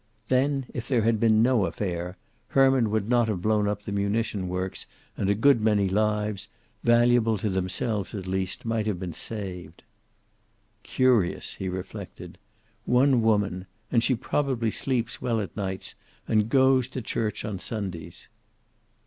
Then, if there had been no affair, Herman would not have blown up the munition works and a good many lives, valuable to themselves at least, might have been saved. "Curious!" he reflected. "One woman! And she probably sleeps well at nights and goes to church on Sundays!"